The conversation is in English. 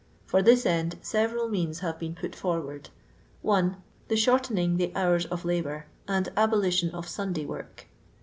For this end, several means have been put forward. 1. The shortening the hours of labour, and abolition of Sunday work.